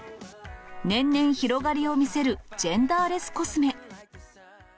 年々広がりを見せるジェンダーレスコスメ。